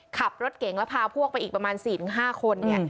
ขับรถเก่งแล้วพาพวกไปอีกประมาณ๔๕คน